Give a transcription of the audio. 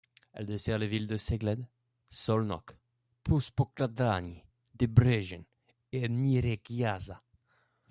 Elle dessert les villes de Cegléd, Szolnok, Püspökladány, Debrecen et Nyíregyháza.